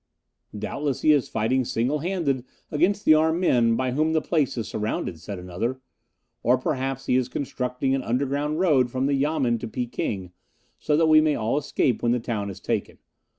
"Doubtless he is fighting single handed against the armed men by whom the place is surrounded," said another; "or perhaps he is constructing an underground road from the Yamen to Peking, so that we may all escape when the town is taken.